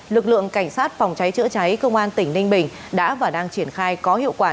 lực lượng cảnh sát phòng cháy chữa cháy công an tỉnh ninh bình đã và đang triển khai có hiệu quả